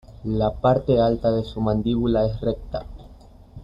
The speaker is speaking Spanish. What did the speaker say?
La parte alta de su mandíbula es recta.